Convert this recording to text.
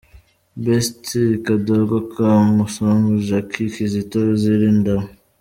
Best Kadongo Kamu Song Jackie Kizito – Zirindaba.